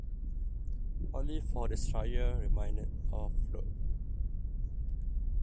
Only four destroyers remained afloat.